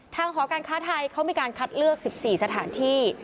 ทางหอการค้าไทยเขามีการคัดเลือกสิบสี่สถานที่